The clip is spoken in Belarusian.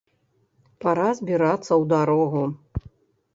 Пара збірацца ў дарогу!